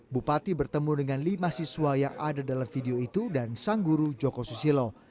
bupati bertemu dengan lima siswa yang ada dalam video itu dan sang guru joko susilo